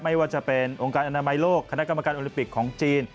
ไม่ว่าจะเป็นองค์การอนามัยโลกคณะกรรมการโอลิมปิกของจีน